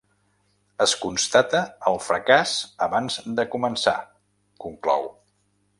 “Es constata el fracàs abans de començar”, conclou.